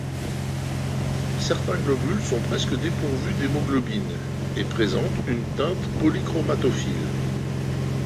Certains globules sont presque dépourvus d'hémoglobine et présentent une teinte polychromatophile.